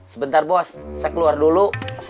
sebentar bos saya keluar dulu